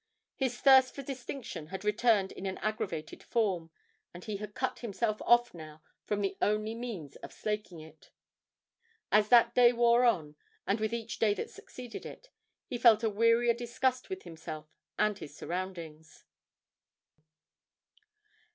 His thirst for distinction had returned in an aggravated form, and he had cut himself off now from the only means of slaking it. As that day wore on, and with each day that succeeded it, he felt a wearier disgust with himself and his surroundings.